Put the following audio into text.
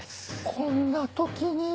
こんな時に。